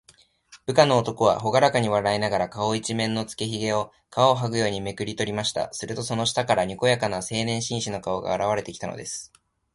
部下の男は、ほがらかに笑いながら、顔いちめんのつけひげを、皮をはぐようにめくりとりました。すると、その下から、にこやかな青年紳士の顔があらわれてきたのです。